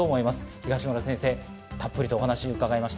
東村先生、たっぷりとお話を伺いました。